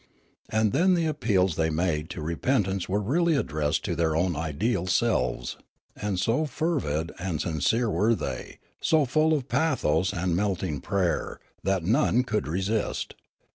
And then the appeals they made to repentance were really addressed to their own ideal selves ; and so fervid and sincere were thej^ so full of pathos and melting prayer, that none could resist.